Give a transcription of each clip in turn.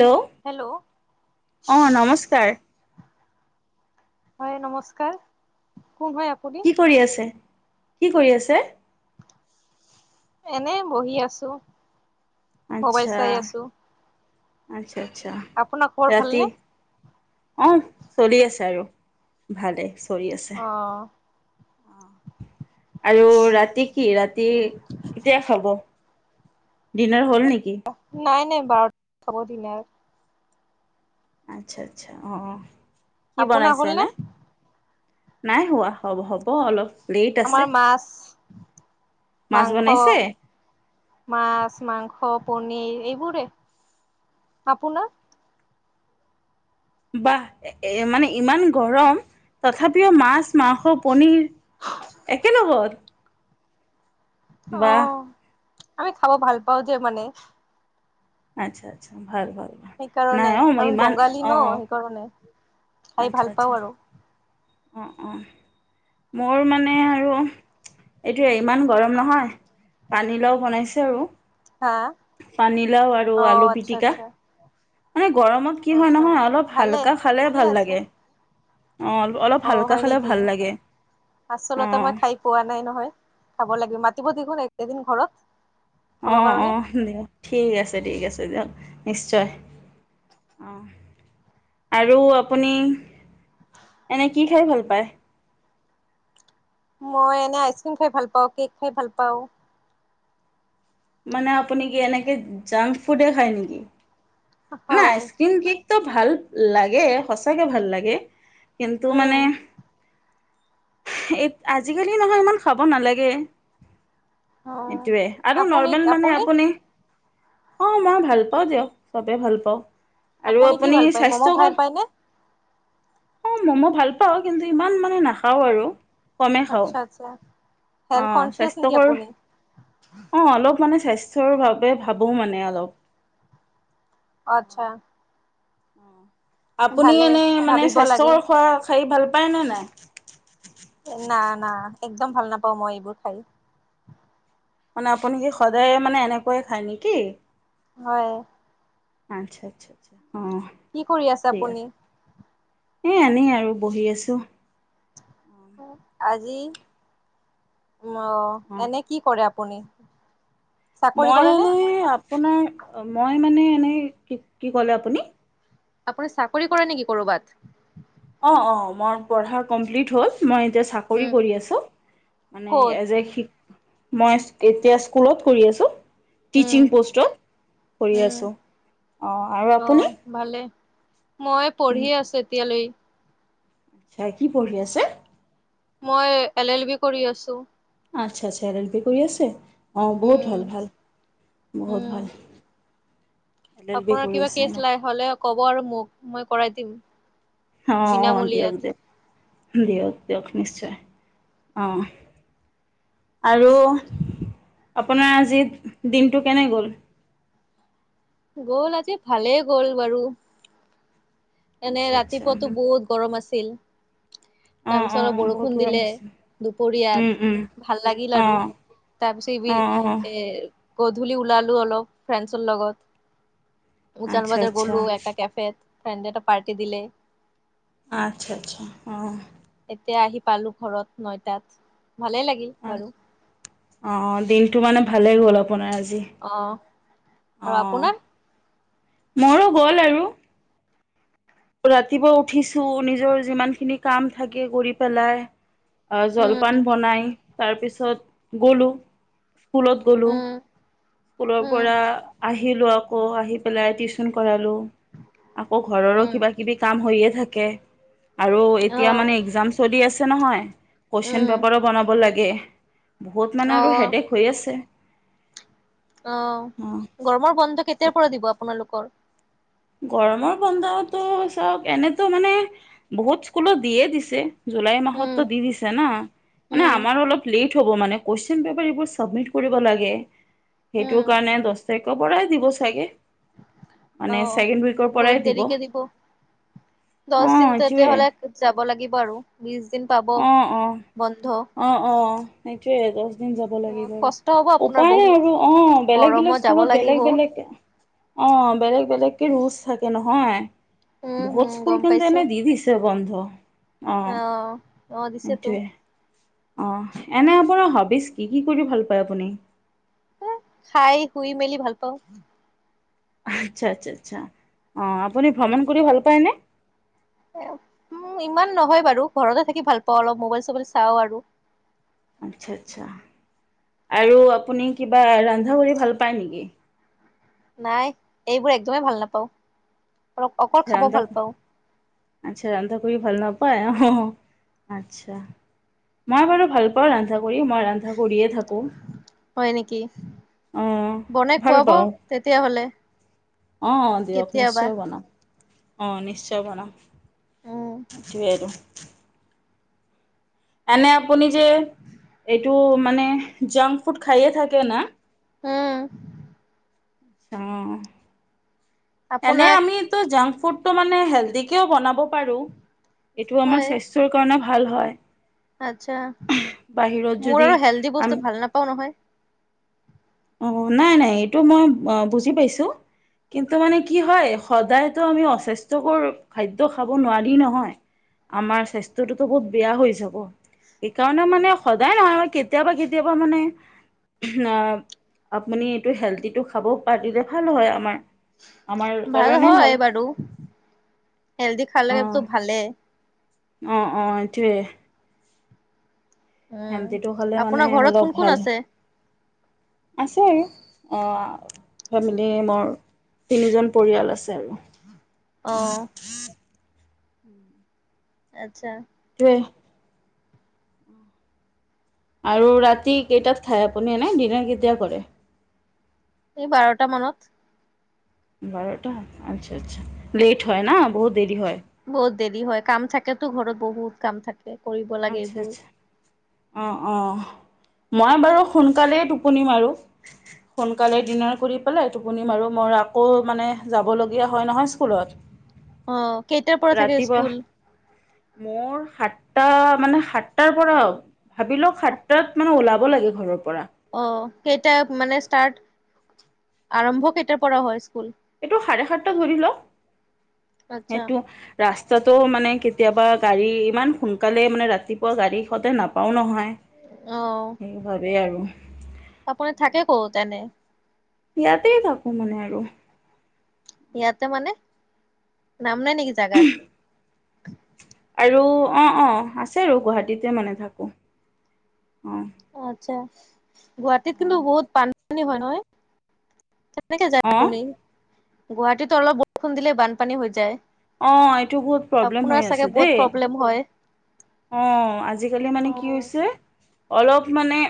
Hello অঁ নমস্কাৰ হয় নমস্কাৰ কোন হয় আপুনি কি কৰি আছে কি কৰি আছে এনে বহি আছো মোবাইল আচ্ছা চাই আছো আচ্ছা আচ্ছা আপোনাৰ খবৰ ৰাতি ভালনে আহ চলি আছে আৰু ভালেই চলি আছে। অ আৰু ৰাতি কি ৰাতি কেতিয়া খাব, দিনৰ হ'ল নেকি? নাই নাই বাৰটা খাব দিন আৰ। আচ্ছা আচ্ছা অঁ। আপোনাৰ হল নে? নাই হোৱা হ'ব অলপ। লেট আছে আমাৰ মাছ। মাছ মাংস বনাইছে মাছ মাংস। পনীৰ এইবোোৰৰে, আপোনাৰ? বাহঃএ মানে ইমান গৰম তথাপিও মাছ। মাছ মাংস পনীৰ একেলগত। অ বাহ আমি খাব ভাল পাওঁ যে মানে আচ্ছা আচ্ছা ভাল ভাল। ভাল সেইকাৰণে নাই অঁ মই আমি ইমান বঙালী অঁ ন অঁ সেইকাৰণে। খাই আচ্ছা ভাল আচ্ছা পাওঁ আৰু। অঁ অঁ মোৰ মানে আৰু এইটোয় ইমান গৰম নহয় পানীলাও বনাইছে আৰু। হা পানীলাও আৰু অ আলু আচ্ছা পিটিকা। আচ্ছা মানে গৰমত কি হয় আচ্ছা নহয় অলপ ভালে হালকা খালে ঠিকেই ভাল আছে লাগে অ অল অ হয় নেকি আচলতে অঁ মই খাই পোৱা নাই নহয়। ক লাগিব মাতিব দেখোন একেদিন ঘৰত। অ খাবৰ অ কাৰণে। দিয়ক ঠিক আছে ঠিক আছে দিয়ক নিশ্চয় অ। আৰু আপুনি এনে কি খাই ভাল পায়। মই এনে আইচক্ৰীম খাই ভাল পাওঁ, কেক খাই ভাল পাওঁ। মানে আপুনি কি এনেকে জাংক ফুডে খায় নেকি ন হয় আইচকিম কেক-ত তটো ভাল লাগে সচাকে ভাল লাগে কিন্তু মানে উম এ আজিকালি নহয় ইমান খাব নালাগে। উম। সেইটোৱে আৰু নৰ্মেল মানে আপুনি- অ মই ভাল পাওঁ দিয়ক চবে ভাল পাওঁ। আৰু কি আপুনি ভাল পায় ম'ম' স্বাস্থ্য ভাল কণ পায়নে? অ মম' ভাল পাও কিন্তু ইমান মানে নাখাও আৰু। কমেই খাওঁ আচ্ছা আচ্ছা। অ হেল্থ কনচিয়াছ নেকি স্বাস্থ্যকৰ আপুনি? অ অলপ মানে স্বাস্থৰ বাবে ভাবো মানে অলপ। আচ্ছা আপুনি ভালে এনে মানে ভাবিব লাগে। স্বাস্থ্যকৰ খোৱা খাই ভাল পায় ন নাই? না না একদম ভাল নাপাওঁ মই এইবোৰ খাই। মানে আপুনি কি সদায় মানে এনেকৈে খায় নেকি? হয়, আচ্ছা -আচ্ছা -আচ্ছা। অ কি কৰি আছে আপুনি? এই আনে আৰু বহি আছোঁ। আজি অ এনে কি কৰে আ পনি মই এনেই আপোনাৰ মই মানে এনেই কি কি কলে আপুনি। আপুনি চাকৰি কৰে নেকি কৰ'বাত। অ অ মোৰ পঢ়া কমপ্লিট হ'ল। মই এতিয়া চাকৰি উম কৰি আছোঁ মানে ক'ত এজ এ শিক মই এতিয়া স্কুলত কৰি আছো। উম টিচিং প'ষ্টত কৰি উম আছোঁ অ', আৰু অ আপুনি? ভালে মই উম পঢ়ি আছো এতিয়ালৈ। আচ্ছা কি পঢ়ি আছে? মই এল এল বি কৰি আছোঁ। আচ্ছা আচ্ছা এল এল বি কৰি আছে অ', বহুত উম ভাল ভাল বহুত উম ভাল। এল এল বি আপোনাৰ কৰি কিবা আছে কেছ ন লাই হলে ক'ব আৰু মোক মই কৰাই দিম। অ', অ', দিয়ক বিনামূলীয়াত - দিয়ক - দিয়ক। দিয়ক নিশ্চয় অহ আৰু আপোনাৰ আজি দিনটো কেনে গ'ল? গ'ল আজি ভালেই গ'ল বাৰু। এনে আচ্ছা আচ্ছা ৰাতিপুৱাতো বহুত গৰম আছিল। অঁ তাৰপিছত অলপ অঁ বহুত বৰষুণ গৰম দিলে আছে দুপৰীয়াত ভাল লাগিল অঁ আৰু। তাৰ পিছত এইবি অঁ অঁ এৰ গধূলি ওলালোঁ অলপ ফ্ৰেণ্ডছৰ লগত। উজান আচ্ছা বাজাৰ আচ্ছা গ'লো এটা কেফেত ফ্ৰেণ্ড এটা পাৰ্টি দিলে। আচ্ছা আচ্ছা অ', এতিয়া আহি পালো ঘৰত নয়টাত ভালেই লাগিল বাৰু। টো মানে ভালেই গ'ল আপোনাৰ আজি অ আৰু অ', আপোনাৰ মোৰো গ'ল আৰু। ৰাতিপুৱা উঠিছো নিজৰ যিমান খিনি কাম থাকে কৰি পেলাই উম জলপান বনাই তাৰপিছত গ'লো স্কুলত গ'লো। উম স্কুলৰ উম পৰা আহিলো আকৌ আহি পেলাই টিউচন কৰালো। আকৌ ঘৰৰো উম কিবা কিবি কাম হৈয়ে থাকে। আৰু এতিয়া আহ মানে একজাম চলি আছে নহয় কুৱেশন উম পেপাৰো বনাব লাগে। বহুত মানে অ আৰু হেডেক হৈ আছে। অ', গৰমৰ বন্ধ কেতিয়াৰ পৰা দিব আপোনালোকৰ? গৰমৰ বন্ধতো চাওক এনেতো মানে বহুত স্কুলত দিয়ে দিছে। জুলাই উম মাহতো দি দিছে না মানে উম আমাৰো অলপ লেট হ'ব মানে কুৱেছন পেপাৰ এইবোৰ চাবমিট কৰিব লাগে, উম সেইটো কাৰণে [unintelligible] পৰাই দিব চাগে মানে অ ছেকেণ্ড উইকৰ পৰাই দিব। অ দশ দিন তেতি এইটোৱে হ'লে যাব লাগিব আৰু বিশ দিন পাব। অ অ বন্ধ অ', অ' [unintelligible] যাব উ লাগিব কষ্ট হব আপোনাৰ উপায় নাই বহুত আৰু অ', বেলেগ বেলেগ গৰমত যাব স্কুলত বেলেগ লাগিব বেলেগ অ', বেলেগ বেলেগকে ৰুলছ থাকে নহয়। উম বহুত হম স্কুল গম কিন্তু পাইছো এনেই দি দিছে বন্ধ। অ', অ', দিছেটো। সেইটোৱে অ', এনে আপোনাৰ হবিজ কি, কি কৰি ভাল পায় আপুনি? সে খাই শুই মেলি ভাল পাওঁ। আচ্ছা - আচ্ছা - আচ্ছা, অ, আপুনি ভ্ৰমণ কৰি ভাল পায়নে? উম, ইমান নহয় বাৰু ঘৰতে থাকি ভাল পাওঁ অলপ মোবাইল চবাইল চাওঁ আৰু। আচ্ছা, আচ্ছা, আৰু আপুনি কিবা ৰন্ধা কৰি ভাল পায় নেকি নাই এইবোৰ একদমেই ভাল নাপাওঁ অকল খাব ৰন্ধা ভাল পাওঁ। আচ্ছা ৰন্ধা কৰি ভাল নাপায় আহ আচছা মই বাৰু ভাল পাওঁ ৰন্ধা কৰি মই ৰন্ধা কৰিয়ে থাকো হয়, নেকি বনাই ভাল খুৱাব পাওঁ তেতিয়াহলে। অ', দিয়ক কেতিয়াবা নিশ্চয় বনাম অ, নিশ্চয় বনাম। উম। সেইটোৱে [inaudible] এনে আপুনি যে এইটো মানে জাংক ফুড খাইে থাকে না? উম এনে আপোনাক আমিতিতো যাম ফুডটো মানে হেলডিকেও বনাব পাৰোঁ এইটো আমাৰ হয় স্বাস্থ্যৰ কাৰণে ভাল হয়। আচ্ছা বাহিৰত মোৰ যদি আৰু হেল্দি আমি বস্তু ভাল নাপাও নহয়। অ নাই নাই এইটো মই বুজি পাইছো কিন্তু মানে কি হয় সদায়তো আমি অস্বাস্থ্যকৰ খাদ্য খাব নোৱাৰি নহয়। আমাৰ স্বাস্থ্যটোতো বহুত বেয়া হৈ যাব। সেইকাৰণে মানে সদায় নহয় আৰু কেতিয়াবা কেতিয়াবা মানে আপুনি এইটো হেলডিটো খাব পাৰিলে ভাল হয় আমাৰ আমাৰ ভাল কাৰণে হয় বাৰু হেল্দি অ খালেটো ভালেই অ, অ এটোৱে উম। শেমটিটো খালে মানে আপোনাৰ ঘৰত অলপ কোন কোন ভাল আছে আছে আৰু ফেমিলি মোৰ তিনিজন পৰিয়াল আছে আৰু আহ আত্ছা এক [unintelligible] আৰু ৰাতি কেইটাত খাই আপুনি এনোই ডিনাৰ কেতিয়া কৰে এই বাৰটা মানত বাৰটা আচ্ছা আচ্ছা লেট হয় ন বহুত দেৰি হয় বহুত দেৰি হয় কাম থাকেতো ঘৰত বহুত কাম থাকে কৰিব লাগে এইবোৰ অ, অ মই বাৰু সোনকালেই টোপনি মাৰো সোনকালে ডিনাৰ কৰি পেলাই টোপুনি মাৰো মোৰ আকৌ মানে যাবলগীয়া হয় নহয় স্কুলত অ কেইটাৰ পৰা থাকে ৰাতিপুৱা স্কুল? মোৰ সাত টা মানে সাতটাৰ পৰাও ভাবিলো সাতটাত মানে ওলাব লাগে ঘৰৰ পৰা। অ কেইটা মানে ষ্টাৰ্ট আৰম্ভ কেইটাৰ পৰা হয়। স্কুল? এইটো সাৰে সাতটা ধৰি ল আচ্ছা এইটো ৰাস্তা টোও মানে কেতিয়াবা গাড়ী ইমান সোনকালে মানে ৰাতিপুৱা গাড়ী সদাই নাপাওঁ নহয়। অহ', সেইবাবে আৰু আপুনি থাকে ক'ত? এনে, ইয়াতেই থাকো মানে আৰু, ইয়াতে মানে, নাম নাই নেকি জাগাৰ? আৰু অ', অ', আছে আৰু গুৱাহাটীতে মানে থাকো। অ' অ', আত্ছা গুৱাহাটীত অঁ কিন্তু বহুত বান পানী হয়। নহয়? কেনেকে যানে অঁ আপুনি, গুৱাহাটীত অলপ বৰষুণ দিলে বানপানী হৈ যায়। অ', এইটো বহুত প্ৰব্লেম্ আপোনাৰ হৈ চাগে আছে বহুত দেই, প্ৰব্লেম হয়। অহ', আজিকালি অ মানে কি হৈছে। অলপ মানে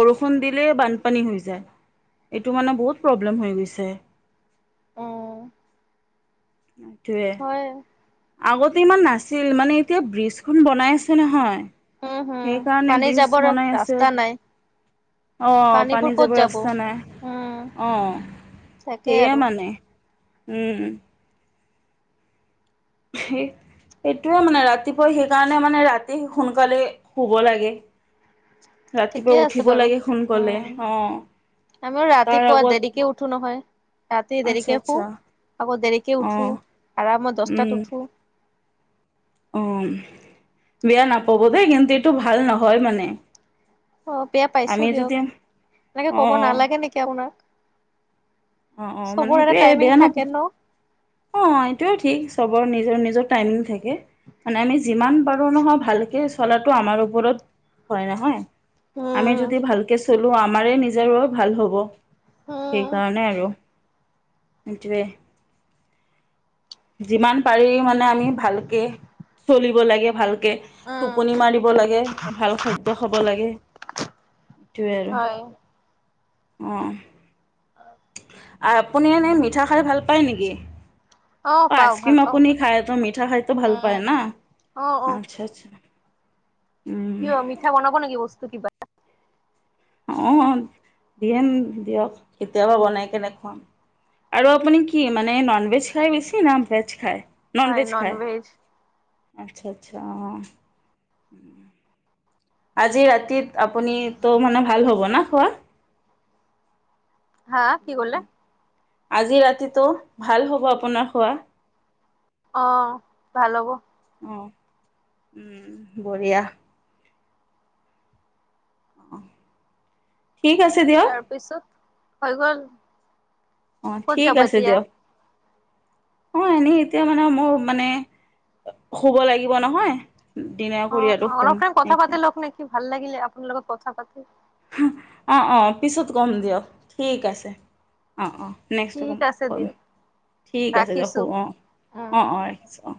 বৰষুণ দিলে বানপানী হৈ যায়। এইটো মানে বহুত প্ৰব্লেম্ হৈ গৈছে। অহ', এইটোৱে হয়। আগতে ইমান নাছিল। মানে এতিয়া ব্ৰিজখন বনাই আছে নহয়। উম হম সেইকাৰণে পানী ব্ৰীজ যাবৰ বনাই আছে। ৰাস্তা নাই অহ', পানীবোৰ পানী ক'ত যাবৰ যাব ৰাস্তা নাই। উম অ, তাকে সেইয়া আৰু মানে উম', সেই সেইটোযে মানে, ৰাতিপুৱা সেইকাৰণে মানে ৰাতি সোনকালে শুব লাগে। ঠিকে ৰাতিপুৱা আছে উঠিব বাৰু লাগে সোনকালে, উম অ', আমিও তাৰ ৰাতিপুৱা আগত দেৰিকে উঠো নহয়। ৰাতি আচ্ছা দেৰিকে শুৱ, আচ্ছা আকৌ দেৰিকে উঠো, অ' আৰামত উম দছটাত উঠো। অ', বেয়া নাপাব দেই কিন্তু এইটো ভাল নহয় মানে। অ' বেয়া পাইছো আমি দিয়ক, যদি এনেকে অ' কব নালাগে অ' নেকি আপোনাক। অ', অ', মানে চবৰ এটা এইটোয়ে টাইমিং বেয়া থাকে নাপাব ন অ' এইটোয়ে ঠিক চবৰ নিজৰ নিজৰ। টাইম থাকে। মানে আমি যিমান পাৰো নহয় ভালকে চলাটো আমাৰ ওপৰত হয়। নহয়? আমি উম যদি ভালকে চলো আমাৰে নিজৰো ভাল হ'ব। উম সেইকাৰণে, সেইটোয়ে, যিমান পাৰি মানে আমি ভালকে চলিব লাগে। ভাল কে উম টোপনি মাৰিব লাগে ভাল খাদ্য খাব লাগে। এইটোৱে আৰু হয় অ', আৰু আপুনি এনেই মিঠা খাই ভাল পায় নেকি? অ', পাও ভাল আইচক্ৰিম পাও আপুনি খায় তো মিঠা খাইতো ভাল পায় উম ন? অ অ আচ্ছা, আচ্ছা, উম। কিয়? মিঠা বনাব নেকি বস্তু কিবা, অ' দিম দিয়ক কেতিয়াবা বনাই কেনে খুৱাম। আৰু আপুনি কি মানে নন ভেজ খাই বেছি? না ভেজ খায়। হয় নন ভেজ। আচ্ছা আচ্ছা অ', আজি ৰাতিত আপুনি তো মানে ভাল হ'ব ন? খোৱা, হা কি ক'লা? আজি ৰাতিটো ভাল হ'ব আপোনাৰ খোৱা, অ ভাল হ'ব। অ', উম' বঢ়িয়া। অ' ঠিক আছে দিয়ক। তাৰপিছত হৈ গ'ল? অ ক'ত ঠিক যাব আছে এতিয়া দিয়ক অ এনেই এতিয়া মানে মোৰ মানে শুব লাগিব নহয় ডিনাৰ অ কৰি আৰু শুম অলপমান কথা পাতি এতিয়া লক নেকি ভাল লাগিলে আপোনাৰ লগত কথা পাতি। অ অ পিছত কম দিয়ক ঠিক আছে অ অ। নেক্সটো ঠিক ক'ম আছে কম দিয়ক ঠিক আছে দিয়ক ৰাখিছো শোও অঁ উম অঁ অঁ ৰাখিছোঁ অঁ।